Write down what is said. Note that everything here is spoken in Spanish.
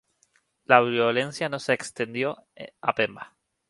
La violencia no se extendió a Pemba.